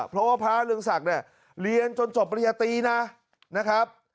เพราะว่าพระเรืองศักดิ์เนี่ยเรียนจนจบปริญญาตรีนะครับ